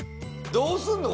どうすんの？